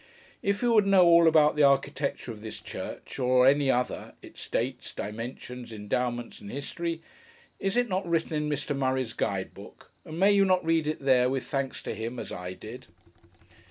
If you would know all about the architecture of this church, or any other, its dates, dimensions, endowments, and history, is it not written in Mr. Murray's Guide Book, and may you not read it there, with thanks to him, as I did!